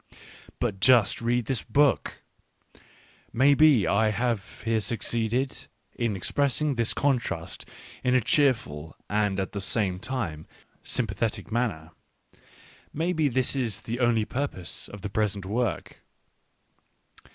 But just read this book ! Maybe I have here succeeded in expressing this contrast in a cheerful and at the same time sympathetic manner — maybe this is the only purpose of the present work.